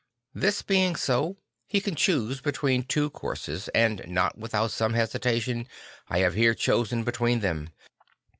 This being so he can choose between two courses; and not without some hesitation, I have here chosen between them.